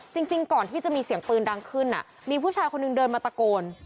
จริงก่อนที่จะมีเสียงปืนดังขึ้นมีผู้ชายคนหนึ่งเดินมาตะโกน